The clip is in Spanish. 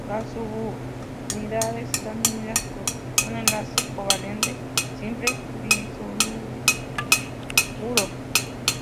Las subunidades están unidas por un enlace covalente simple disulfuro.